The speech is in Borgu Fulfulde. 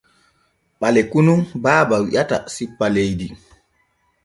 Ɓaleku nun Baaba wi’ata sippa leydi.